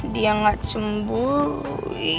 dia gak cemburu